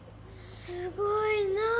すごいなあ。